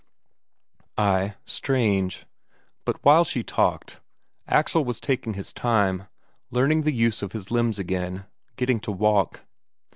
Ay, strange. But while she talked, Axel was taking his time, learning the use of his limbs again, getting to walk.